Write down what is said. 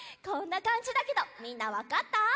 こんなかんじだけどみんなわかった？